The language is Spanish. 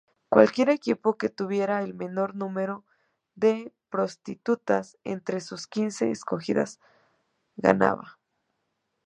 Cualquier equipo que tuviera el menor número de prostitutas entre sus quince escogidas ganaba.